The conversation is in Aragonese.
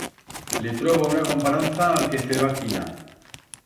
Le trobo una comparanza a'l que feba Quina.